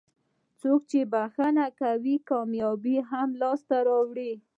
څوک چې بښنه کوي کامیابي هم لاسته راوړي.